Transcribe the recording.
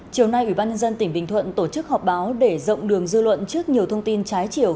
chiều nay ủy ban nhân dân tỉnh bình thuận tổ chức họp báo để rộng đường dư luận trước nhiều thông tin trái chiều